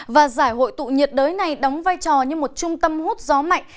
và giải hội tụ nhiệt đới này đóng vai trò như một trung tâm hút gió mạnh